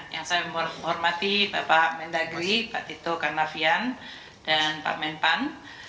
yang saya menghormati bapak mendagri pak tito karnavian dan pak menpan